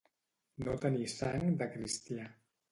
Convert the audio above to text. No tenir sang de cristià